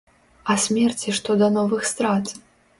А смерці што да новых страт?